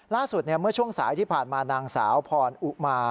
ล่าสุดเมื่อช่วงสายที่ผ่านมานางสาวพรอุมา